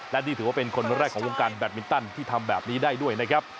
และนี่ถือว่าเป็นคนแรกของวงการแบตมินตันที่ทำแบบนี้ได้ด้วยนะครับ